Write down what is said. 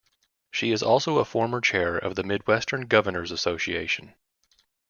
She is also a former chair of the Midwestern Governors Association.